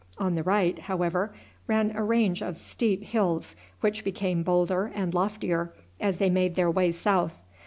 On the right, however, ran a range of steep hills, which became bolder and loftier as they made their way south.